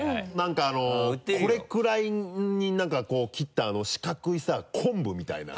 これくらいになんか切った四角いさ昆布みたいなさ。